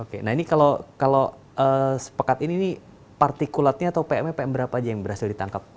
oke nah ini kalau sepekat ini nih partikulatnya atau pm nya pm berapa aja yang berhasil ditangkap